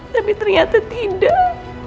tapi ternyata tidak